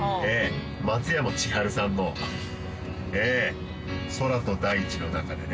松山千春さんのええ「大空と大地の中で」ね